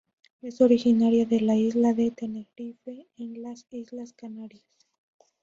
Es originaria de la isla de Tenerife en las Islas Canarias.